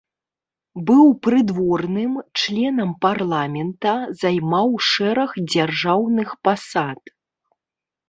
Быў прыдворным, членам парламента, займаў шэраг дзяржаўных пасад.